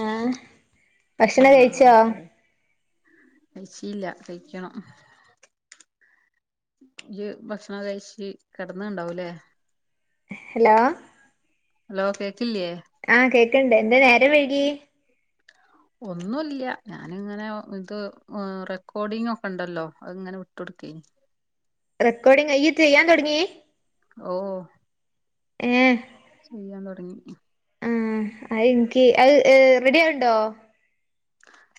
ആഹ് ഭക്ഷണം കഴിച്ചോ? കഴിച്ചീല കഴിക്കണം. ഇയ്യ് ഭക്ഷണക്കെ കഴിച്ച് കെടന്ന്ണ്ടാവൂലേ? ഹെലോ ഹലോ കേക്കില്ലേ? ആഹ് കേക്ണ്ട്. എന്തേ നേരം വൈകി? ഒന്നുല്ല ഞാനിങ്ങനെ ഇത് ഏഹ് റെക്കോർഡിങ്ങൊക്കെണ്ടല്ലോ അത്ങ്ങനെ വിട്ടു കൊടുക്കേനി. റെക്കോർഡിംഗ് ഇയ്യ് ചെയ്യാൻ തൊടങ്ങി? ഓഹ് ചെയ്യാൻ തൊടങ്ങി. ഏഹ് അയ്ൻക്കി അത് റെഡി ആവണ്ടോ?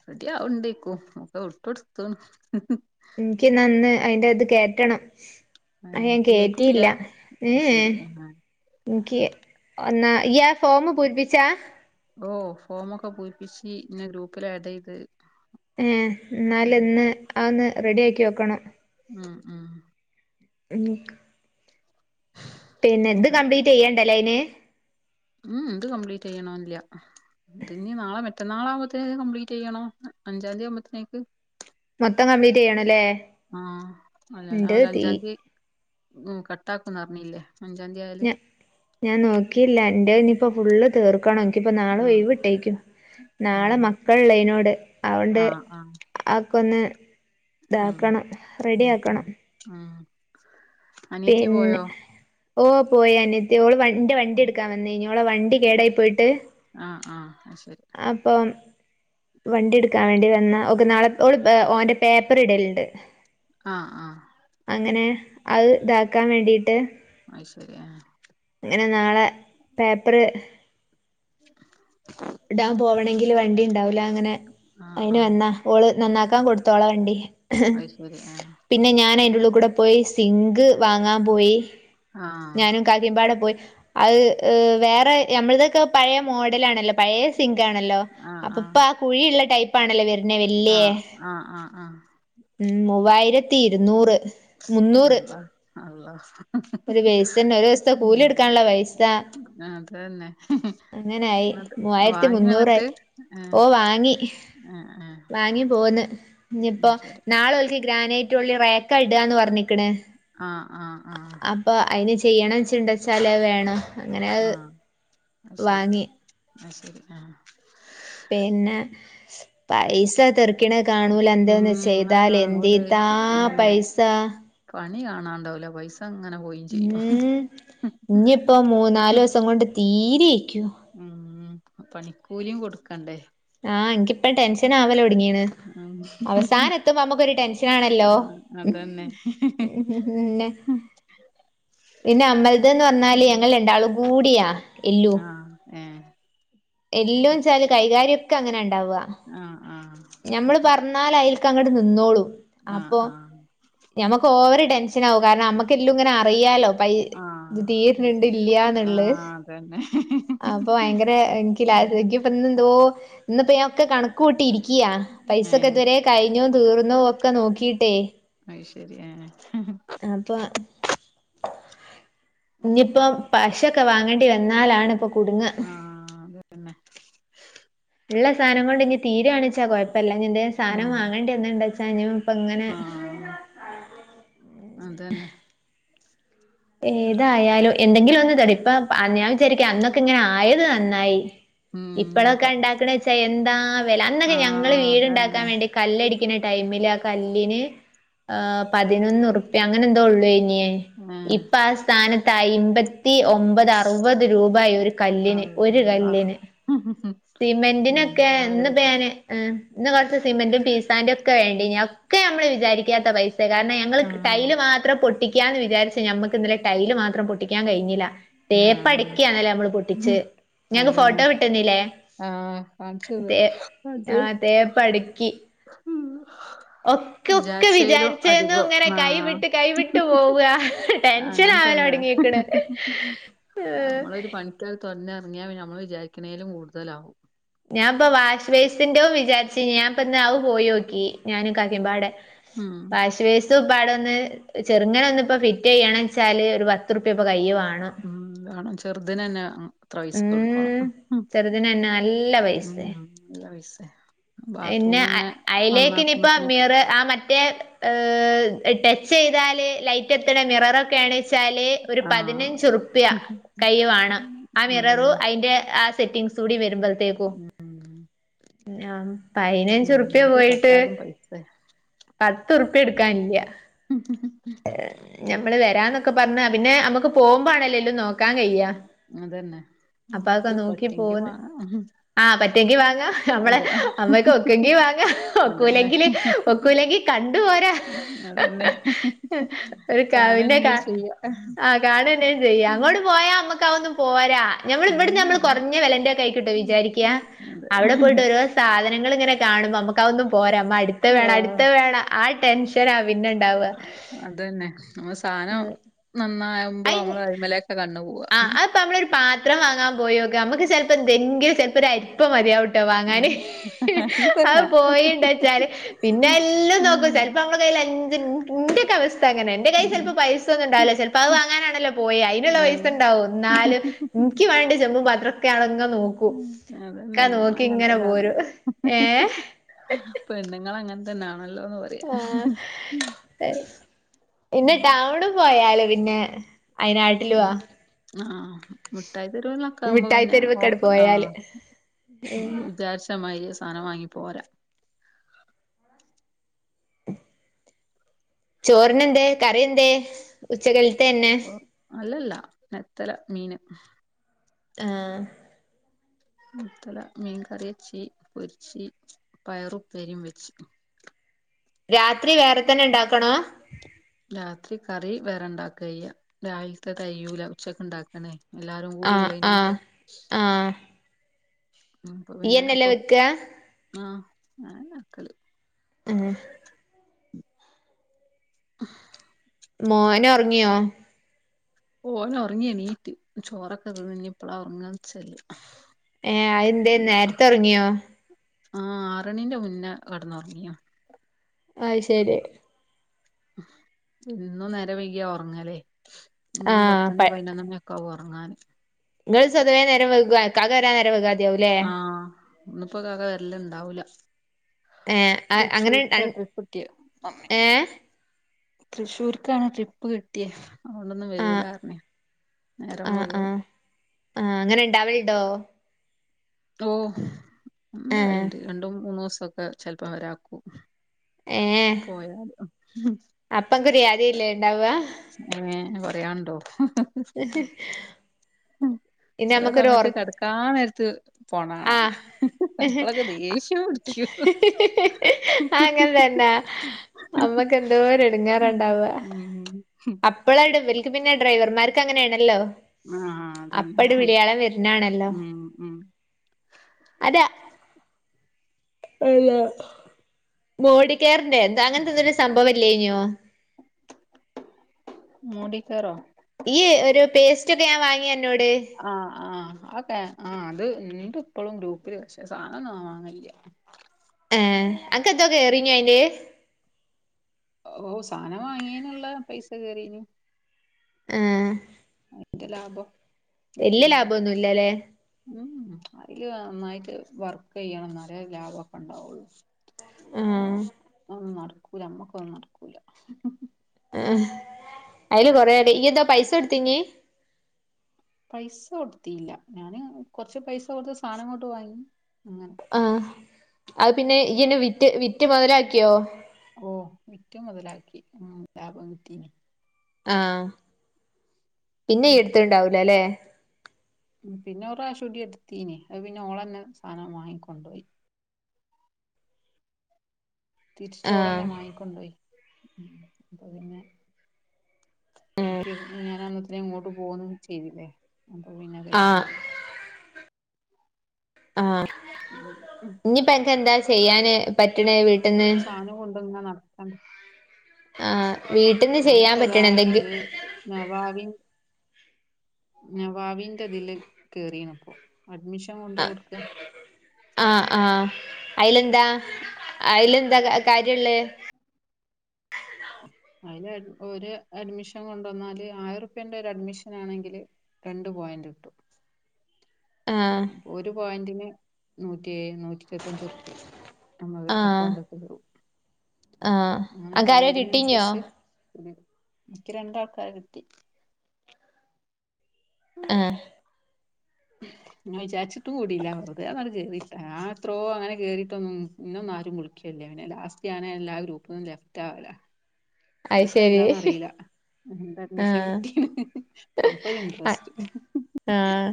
റെഡിയാവ്ണ്ടേയ്ക്കും. ഒക്കെ വിട്ടൊട്ത്ത്ണ്. ഇൻക്കിന്നാ ഇന്ന് അയിന്റെത് കേറ്റണം അത് ഏഹ് ഞാൻ കേക്കില്ല കേറ്റില്ലാ അത് ഏഏഹ്. ശരി ആഹ് ഇൻക്കി ഒന്നാ ഇയ്യാ ഫോമ് പൂരിപ്പിച്ചാ? ഓ ഫോമൊക്കെ പൂരിപ്പിച്ച് ന്നെ ഗ്രൂപ്പിലാഡെയ്ത്. ഏഹ് എന്നാല് ഇന്ന് ആന്ന് റെഡിയാക്കി വെക്കണം. ഉം ഉം എണീക്ക്. പിന്നെ ത് അതെ കംപ്ലീറ്റ് ചെയ്യെണ്ടലേ അയ്ന്? ഉം ഇത് കംപ്ലീറ്റ് ചെയ്യണൊന്നില്ല. ഇതിന്നി നാളെ മറ്റന്നാളാകുമ്പത്തേനും കപ്ലീറ്റ് ചെയ്യണം അഞ്ചാന്തി ആ മ്പത്തേക്ക്. മൊത്തം കംപ്ലീറ്റ് ചെയ്യണല്ലേ? ആഹ് ഓല ആഹ് ഇന്റത് തീ ഓലഞ്ചാന്തി ഉം കട്ടാക്കുന്നറിഞ്ഞീല്ലേ അഞ്ചാന്തി ഞാ ഞാൻ നോക്കിലാ അന്റെയിനിപ്പോ ഫുള്ള് തീർക്കണം നിക്കിപ്പൊ നാളെ ആഹ് ഒഴിവിട്ടേക്കുന്നു. നാളെ ഉം മക്കൾള്ളെയ്നോട് അവോണ്ട്‌ ആഹ് ആഹ് അപ്പൊന്നു താക്കണം റെഡി ആക്കണം. ആഹ് പിന്നെ ഓ പോയാന്ന് ഓള് വൺ ന്റെ വണ്ടി എടുക്കാൻ വന്നേയനു ഓള വണ്ടി കേടായി പോയിട്ട് ആഹ് ആഹ് ശെ അപ്പം വണ്ടി എടുക്കാൻ വേണ്ടി വന്ന ഓക്ക് നാളെ ഓൾ ഓന്റെ പേപ്പറിടരുത് ആഹ് ആഹ് അങ്ങനെ അത് ഇതാക്കാൻ വേണ്ടിട്ട് അഹ് ശെരിയാ ആഹ് ങ്ങനെ നാളെ പേപ്പറ് [inaudible] ഡാം പോവണെങ്കില് വണ്ടിണ്ടാവൂല അങ്ങനെ ആഹ് അയ്ന് ആഹ് വന്ന ഓള് നന്നാക്കാൻ കൊടുത്തോളാ വണ്ടി അത് ശരി ആഹ് പിന്നെ ഞാൻ അയ്ൻ്റെ ഉള്ള്കൂടെ പോയി സിങ്ക് വാങ്ങാൻ പോയി ആഹ് ഞാനും കാക്കിമ്പാടെ പോയി അത് വേറെ നഞമ്മൾതൊക്കെ പഴയ മോഡലാണല്ലോ പഴയ സിങ്കാണല്ലോ ആഹ് അപ്പ ആഹ് ഇപ്പൊ ആ കുഴിയുള്ള ടൈപ്പാണല്ലോ വെര്ന്നെ വല്യ ആഹ് ആഹ് ആഹ് ആഹ് ഉം മൂവായിരത്തി ഇരുന്നൂറ് മുന്നൂറ് അള്ള അള്ള ഒരു ബെയ്സ്ന്ന ഒരു ദിവസത്തെ കൂലി കൊടുക്കാനുള്ള പൈസ അതന്നെ അങ്ങനായി മൂവായിരത്തി മുന്നൂറായി ആഹ് ഓ വാങ്ങി ആഹ് ആഹ് വാങ്ങി പോന്ന് ഇഞ്ഞ്പ്പോ ശരി നാളെ ഒൽക്ക് ഗ്രാനൈറ്റ് ഉള്ളിൽ റേക്ക ഇടാന്ന് പറഞ്ഞിക്ക്ണ് ആഹ് ആഹ് ആഹ് അപ്പൊ അയ്ന് ചെയ്യണം ചിണ്ടച്ചാല് അത് വേണം അങ്ങനെ അത്ശരി വാങ്ങി അത്ശരി ആഹ് പിന്നെ പൈസ തർക്ക ക്കിണ കാണൂല എന്തേഒന്ന് ഉം അത് ചെയ്താൽ കാണൂലേ എന്തീതാ ഉം പൈസ പണി കാണാണ്ടാവൂല പൈസ അങ്ങനെ പോയും ചെയ്യും ഇനിയിപ്പോ മൂന്നാലു ദിവസം കൊണ്ട് തീരേക്കു ഉം പണിക്കൂലിയും കൊടുക്കണ്ടേ ആഹ് എനിക്കിപ്പം ടെൻഷന് ആവലൊട്ങ്ങീണ് ഉം ടെൻഷനാണല്ലോ അതന്നെ പിന്നെ [inaudible] പിന്നെ അമ്മൾത് ന്ന് പറഞ്ഞാല് ഞങ്ങൾ രണ്ടാളും കൂടിയാ എല്ലോ ആഹ് ഏഹ് എല്ലോൻച്ചാല് കൈകാര്യൊക്കെ അങ്ങനെ ഉണ്ടാവുക ആഹ് ആഹ് ഞമ്മള് ശരി പറഞ്ഞാല് അയ്ൽക്ക് അങ്ങട്ട് നിന്നോളൂ ആഹ് അപ്പൊ ആഹ് ഞമക്ക് ഓവർ ടെൻഷൻ ആവും കാരണം നമ്മക്ക് എല്ലും ഇങ്ങനെ അറിയാലോ ഇത് ആഹ് അതെ തീര്ണ്ട് ഇല്ല്യന്നുള്ള ആഹ് അതന്നെ അപ്പൊ ഭയങ്കര- ഇല്ല ശരിക്കും ഇപ്പൊ ഇന്ന് എന്തോ ഇന്ന് ഇപ്പോ ഞാൻ ഒക്കെ കണക്ക് കൂട്ടിയിരിക്കു- ക്യ പൈസയൊക്കെ ഏഹ് ഇതുവരെ കഴിഞ്ഞോ തീർന്നോ ഒക്കെ നോക്കിട്ടേ- അയ്ശരി ഏ അപ്പൊ ഇനിപ്പോ പശ- ക്കെ വാങ്ങേണ്ടി വന്നാലാണ് ഇപ്പ - ആഹ് അത് തന്നെ ഉള്ള സാധനം കൊണ്ട് ഇനി തീരു വാണേച്ചാ കൊഴപ്പല്ല ഇനി എന്തേലും സാധനം ഉം വാങ്ങണ്ടി വന്നാച്ചാ ഇപ്പ ഇങ്ങനെ- [inaudible] [unintelligible] അത് തന്നെ ഏതായാലും എന്തെങ്കിലും ഒന്ന് തടയും ഇപ്പ ഞാൻ വിചാരിക്ക അന്നൊക്കെ ഇങ്ങനെ ആയത് നന്നായി ഇപ്പഴൊക്കെ ഉം ഉണ്ടാക്ക്ണെ വെച്ചാ എന്താ വെല അന്നൊക്കെ ഞങ്ങള് ആഹ് അതന്നെ വീട്ണ്ടാക്കാൻ വേണ്ടി- കല്ലടിക്കുന്ന ടൈമില് ആ കല്ലിന്- ആ പതിനൊന്ന് റുപ്യ അങ്ങനെ എന്തോ ഉള്ളേന്യെ ഏഹ് ഇപ്പൊ ആ സ്ഥാനത്ത് അയ്മ്പ- ത്തി ഒമ്പത് അറുപത് രൂപായി ഒരു കല്ലിന് ഒരു കല്ലിന്- ഉം ഉം ഉം സിമെന്റിനൊക്കെയിന്ന് ഇപ്പം ഞാന്- ഇന്ന് കൊറച്ച് സിമന്റും പീസാൻ്റും ഒക്കെ വേണ്ടീനി ഒക്കെ നമ്മള് വിചാരിക്കാത്ത പൈസ- കാരണം ഞങ്ങള് ആഹ് ടൈല് മാത്രം പൊട്ടിക്കാന്ന് വിചാരിച്ച ഞമ്മക്ക് ഇന്നലെ ടൈല് മാത്രം പൊട്ടിക്ക- ക്കാൻ കഴിഞ്ഞില്ല തേപ്പ് ആഹ് അടക്കിയാണല്ലോ നമ്മള് പൊട്ടിച്ചെ ഞങ്ങക്ക് അതന്നെ ഫോട്ടോ കിട്ടുന്നില്ലേ ആഹ് കാണിച്ചത് എത്ര എണ്ണംയുണ്ട് തേപ്പടക്കി ഹം [unintelligible] വിചാരിച്ചയിലും വിചാരിച്ചേന്നും ഇങ്ങനെ അധികം ആ- കൈവിട്ട് കൈവിട്ട് പോവാ ടെൻഷൻ അങ്ങനെതന്നെ ആവലൊടങ്ങീക്ക്ണ് ഏഹ് നമ്മളൊരു പണി- തുനിഞ്ഞിറങ്ങിയാ നമ്മള് വിചാരിക്കണേലും കൂടുതലാവും ഞാൻ ഇപ്പ വാഷ് ബേസിന്റയൊ വിചാരിച്ച് ഞാൻ ഇപ്പ ഇന്ന് അത് പോയി നോക്കി ഞാനും കാക്കിമ്പാടെ ഉം [unintelligible] വാഷ് ബെ - പത്ത് റുപേടെ ഒന്ന് ചെറുങ്ങനെ ഒന്ന് ഇപ്പൊ ഫിറ്റ് ചെയ്യണ വെച്ചാല് ഒരു പത്തു റുപിയ ഇപ്പൊ കയ്യില് വേണം ഉംവേണം ചെറുതിന് തന്നെ വേണം ഇത്ര പൈസ കൊടുക്കണം ഉം ചെറുതിനന്നെ നല്ല ഉ പൈസേ നല്ല പൈസയാ പിന്നെ അതിലേക്ക് ഇനിയിപ്പ മീറ് ആ മറ്റ- [unintelligible] ടച്ച് ചെയ്താല് ലൈറ്റ് എത്തണ മിററൊക്കെയാണ് വച്ചാല് ഒരു ആഹ് പതിനഞ്ച് റുപ്യയ കൈയ്യു വേണം ആ മിററു അതന്നെ അതിന്റെ ആ സെറ്റിംഗസ് കൂടി വരുമ്പോഴത്തേക്കു- ആ ഉം പതിനഞ്ച് റുപ്പിയാ എന്ത് പോയിട്ട്- തൊട്ടാലും പൈസയാ പത്ത് റുപ്പിയ എടുക്കാനില്ല ഉം ഉം ഞമ്മള് വരാന്നൊക്കെ പറഞ്ഞതാ പിന്നെ നമുക്ക് പോകുമ്പാണല്ലേ എല്ലും നോക്ക- ക കയയാ [unintelligible] അത് തന്നെ നമുക്ക് പറ്റുയെങ്കി പോന്ന് വാങ്ങാം ആഹ് പറ്റുവെങ്കി വാങ്ങാം നമ്മളെ അതെ നമ്മക്ക് ഒക്കുവെങ്കി വാങ്ങാം അതന്നെ ഒക്കൂല്ലെങ്കില്- ഒക്കൂലെങ്കിൽ കണ്ടുപോരാ അതന്നെ ഒരു [unintelligible] കാണുവെങ്കിലും കാണണെങ്കിൽ ചെയ്യാ ചെയ്യാം അങ്ങോട്ട് പോയാ നമ്മക്ക് ഒന്നും പോരാ ഞങ്ങള് ഇവടുന്ന് നമ്മള് ഉം കൊറഞ്ഞ വെലെന്റെ വിചാരിക്യ അതെ അവിടെ പോയിട്ട് ഓരോ സാധനങ്ങൾ ഇങ്ങനെ- കാണുമ്പോ നമുക്ക് ഒന്നും പോരാ അടുത്ത വേണം ആഹ് അടുത്ത വേണം ആ ടെൻഷൻ പിന്നെ ഉണ്ടാവുക അത് തന്നെ നമ്മള് സാധനം നന്നാവുമ്പോ അയ് നമ്മള് അതിൻ മെലൊക്കെ കണ്ണ് പോവും ആഹ് അത് നമ്മള് ഒരു പാത്രം വാങ്ങാൻ പോയി നോക്കിയേ നമുക്ക് ചെലപ്പോ എന്തെങ്കിലും ചെലപ്പോ ഒരു അരിപ്പ- മതിയാവും ട്ടോ വാങ്ങാന് ഉം അത് അതന്നെ പോയിണ്ടവെച്ചാല് പിന്നെ എല്ലാം ഉം നോക്കും ചിലപ്പോ നമ്മടെ കയ്യിൽ അഞ്ചിനിന്റെ ഒക്കെ ഇ ന്റെ അവസ്ഥ അങ്ങെ എന്റെ കയ്യിൽ ഉം ചിലപ്പോ പൈസ ഒന്നും ഉണ്ടാവില്ല ചെൽ അപ്പ അത് വാങ്ങനാണല്ലോ പോയെ അതിനുള്ള പൈസ ഉണ്ടാവും എന്നാലും ആഹ് നിക്ക് വേണ്ടി ചെമ്പും പാത്രോം ങ്ങനെ നോക്കൂ ഉം ഒക്കെ അതന്നെ നമ്മള നോക്കി അങ്ങനെ ഇങ്ങനെ പോരൂ തന്നെയാണല്ലോ ഏഹ് പെണ്ണുങ്ങൾ അങ്ങനെ തന്നെയാണല്ലോ ന്ന് പറയാ ആഹ് പിന്നെ ഉം ടൗൺ പോയാല് പിന്നെ അ ഉം യിനാട്ടിലാ ആഹ് മിഠായിത്തെരുന്നോക്കെ ആവുമ്പോ മിഠായി പിന്നെ ഓ തെരുവ്ക്കട് ആഹ് പോയാല് ഉം വിചാരിച്ച മാതിരി സാധനം വാങ്ങി പോരാ ചോറിന് എന്തേ കറി എന്തേ ഉച്ചകല്ലത്ത് തന്നെ അല്ലല്ല നെത്തല് മീന് ഏഹ് നെത്തല മീൻ കറി ച്ചി പൊരിച്ചീ പയറു ഉപരിയും വെച്ച് രാത്രി വേറെ തന്നെ ഉണ്ടാക്കണോ രാത്രി കറി വേറെണ്ടാക്കയ്യ രാവിലത്തെ തയ്യൂല ഉച്ചക്ക് ഉണ്ടാക്കണേ എല്ലാരും കൂടി ആഹ് ആഹ് ഇള്ളിനോട് ആഹ് ഉ അപ്പൊ പിന്നെ ഒക്ക ഇയ്യന്നല്ലേ വെക്കാ ആഹ് ഞാന്നെ വക്കല് ഏ [unintelligible] മോന ഒറങ്ങിയോ ഓന് ഉറങ്ങി എണീറ്റ് ചോറൊക്കെ തിന്നു ഇനി പ്പളാ ഉറങ്ങാ നിച്ചല്ല ഏഹ് അത് എന്തേ നേരത്തെ ഒറങ്ങിയോ ആഹ് ആറണീന്റെ മുന്നേ കെ ടന്നുറങ്ങിയോ അയ്ശരി ഇന്നും നേരം വൈക്യ ഉറങ്ങല് ഇന്നും ആഹ് പത്തണി പൈനൊന്നണി കവ് ഒറങ്ങാന് ങ്ങള് സ്വതവേ നേരവേകൊ ക്കാക്ക വരാൻ നേരവേകൊ ആഹ് ന്നിപ്പോ കാക വരല് ണ്ടാവൂല ഏഹ് അഹ് അങ്ങനെ തൃശൂർക്കാ ട്രിപ്പ്‌ ട്ട്യേ ഏഹ് തൃശ്ശൂർക്കാണ് ട്രിപ്പ് കിട്ടിയെ അതോണ്ടോന്നും ആഹ് വരൂലറിന നേരം ആഹ് വെകും ആഹ് ആഹ് ങ്ങനെ ണ്ടാവല്ണ്ടോ ഓഹ് ആഹ് ണ്ടാവല്ണ്ട് രണ്ടും മൂന്നു സക്കെ ചെൽപ്പം വരാക്കും ഏഹ് പോയാല് ങ് ഹും ണ്ടാവാ ങ്ങേ പറയാണ്ടോ ഇനി ചെല നമ്മക്കൊരു സമയത്ത് ഒറ കിടക്കാൻ നേരത്ത് പോണാണ ആഹ് അപ്പളൊക്കെ ദേഷ്യം പുട് അങ്ങനെ തന്നാ അമ്മക്ക് എന്തോരെ ടങ്ങേറാണ്ടാവാ ഉം ഉം ഹും അപ്പളാണ് ഇവൽക് പിന്നെ ഡ്രൈവർമാർക്ക് അങ്ങനെണല്ലോ ആഹ് ആഹ് അതന്നെ അപ്പടി വിളയാളം വരുന്നാണല്ലോ ഉം ഉം അതാ അല്ല മോഡികെയർ ന്റെ എന്താ അങ്ങനത്തെന്നരു സംഭവല്ലേനോ മോഡികേറോ ഈ ഒരു പേസ്റ്റക്കെ ഞാൻ വാങ്ങിയ ന്നോട് ആഹ് ആഹ് ആഹ് അക്കെ ആഹ് അത് ണ്ട് ഇപ്പഴും ഗ്രൂപ്പിൽ പക്ഷേ സാധനം ഒന്നും വാങ്ങലില്ല്യ കൃ ഏഹ് അക്ക് എന്ത കേറിനിയ അയില് ഓഹ് സാധനം വാങ്ങിയന്ള്ള പൈസ കേറീന് ഹേ അയിന്റെ ലാഭം വല്യ കിട്ടീന്ന് ലാഭൊന്നുല്ലല്ലേ ഉം ഉം അയില് നന്നായിട്ട് വർക്ക് യ്യണം ന്നാലെ ലാഭക്കെണ്ടാവുള്ളു ആഹ് അത്‌ന്നും നടക്കൂല നമ്മക്കൊന്നും നടക്കൂല ആഹ് അയില് കൊറേണ്ട് ഇയ്യെന്താ പൈസ ട്തീൻ പൈസ കൊടുത്തീല്ല ഞാന് കൊറച്ച് പൈസ കൊടുത്ത് സാധനംങ്ങോട്ട് വാങ്ങി അങ്ങനെ ആഹ് അത് പിന്നെ ഇയ്യെന്നെ വിറ്റ് വിറ്റ് മൊതലാക്കിയോ കോ വിറ്റു മൊതലാക്കി ഉം ലാഭം കിട്ടീന് ആഹ് പിന്നെ ഉം ട്ത്ത്ണ്ടാവൂലല്ലേ പിന്നെ ഒരു പ്രാവഷ്യുടി എടുത്തീന് അത് പിന്നെ ഓളന്നെ സാധനം വാങ്ങിക്കൊണ്ടോയി ആഹ് തിരിച്ചോളന്നെ വാങ്ങിക്കൊണ്ടോയി പ്പൊ പിന്നെ ക്ക് ഞാൻ അന്നത്തെ ഇങ്ങോട്ട് പോന്നും ചെയ്തില്ലേ അപ്പൊ പിന്നെ ആഹ് കഴഞ്ഞില്ല ആഹ് ഉം ഉം ഇനിയിപ്പ ന്ക്ക് ന്താ ചെയ്യാന് പറ്റണേ വീട്ടിൽന്ന് അത്‌ കൊണ്ട ങ്ങന നടക്കണ്ടെ ആ വീട്ടിന്ന് ചെയ്യാൻ പറ്റ്ണ ന്തെങ്കും നവാവിൻ നവാവിന്റെ തില് കേറീണപ്പോ അഡ്മിഷൻ കൊണ്ടെ ആഹ് കൊടുക്ക ആഹ് ആഹ് അയിലെന്താ അയില ന്താ കാര്യള്ളേ അതില് ഒരു അഡ്മിഷൻ കൊണ്ട് വന്നാല് ആയിര റുപ്യന്റെ ഒരു അഡ്മിഷൻ ആണെങ്കില് രണ്ട് പോയന്റ് കിട്ടും ആഹ് അപ്പൊ ഒരു പോയിന്റിന് നൂറ്റി നൂറ്റി ഇരുപത്തഞ്ചൂ റൂപ്യ നമ്മക്ക് ആഹ് അക്കൗണ്ടൊക്കെ തും ആഹ് അങ്ങനെ അനക്കാരെ കിട്ടീഞ്ഞോ പോയിന്റിന്നുസരിച്ച് എനിക്ക് രണ്ടാൾക്കാര് കിട്ടി ആഹ ഞ വിചാരിച്ചിട്ടും കൂടിയില്ല വെുത ക കേറിയിട്ട് അത്രോ അങ്ങനെ കേറിയിട്ട് ഒന്നുംന്നൊന്നരുംളിക്ക ല്ലേ ലാസ്റ്റ് ഞാൻ എല്ലാ ഗ്രൂപ്പും ലെഫ്റ്റ് ആവല അയ് ഇതിപ്പോ ശരി എന്താന്നന്ന് അറിയില്ല എന്ത അഡ്മിഷൻ കിട്ടീ അപ്പൊ ഇന്ട്രസ്റ്റ് ആഹ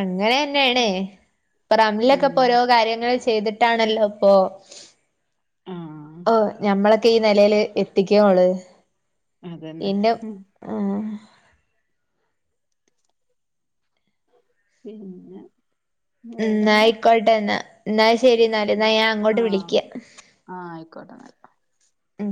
അങ്ങനെ തന്നെയണേ റംലൊക്കെ ഉം ഇപ്പോ ഓരോ കാര്യങ്ങൾ ചെയ്തിട്ട് ട്ടാണല്ലോ ഇപ്പോ ആഹ ഓ് ഞമ്മളൊക്കെ ഈ നിലൽ എത്തിക്കോള് അതന്നെ ആഹ പിന്നെ വേറെന്താ എന്നയിക്കോട്ടെ എന്നാ എന്നാ ശരി എന്നല് എന്നാ ഞാൻ അങ്ങോട്ട് വിളിക്ക ആഹ ആയിക്കോട്ടെ ആയി ഉം